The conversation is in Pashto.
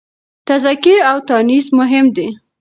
تذکير او تانيث مهم دي.